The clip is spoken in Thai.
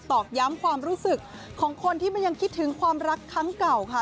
อกย้ำความรู้สึกของคนที่มันยังคิดถึงความรักครั้งเก่าค่ะ